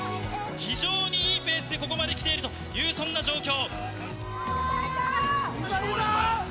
非常にいいペースでここまできているという、そんな状況。